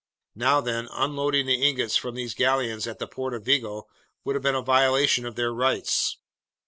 Now then, unloading the ingots from those galleons at the port of Vigo would have been a violation of their rights.